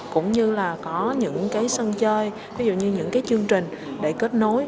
cũng như là có những cái sân chơi ví dụ như những cái chương trình để kết nối